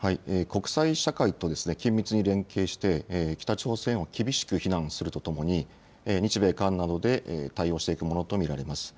国際社会と緊密に連携して北朝鮮を厳しく非難するとともに日米韓などで対応していくものと見られます。